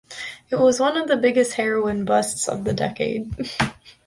It was one of the biggest heroin busts of the decade.